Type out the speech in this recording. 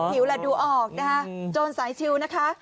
หิวแล้วดูออกจนสายชิวนะคะ